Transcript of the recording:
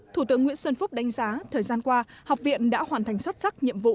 thủ tướng nguyễn xuân phúc đánh giá thời gian qua học viện đã hoàn thành xuất sắc nhiệm vụ